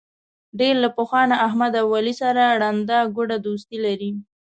ډېر له پخوا نه احمد او علي سره ړنده ګوډه دوستي لري.